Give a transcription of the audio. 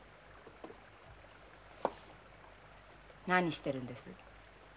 何してるんです？